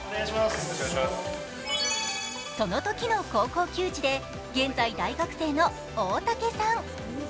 そのときの高校球児で現在、大学生の大武さん。